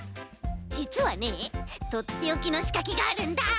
じつはねとっておきのしかけがあるんだ。